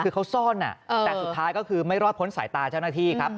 คือเขาซ่อนแต่สุดท้ายก็คือไม่รอดพ้นสายตาเจ้าหน้าที่ครับ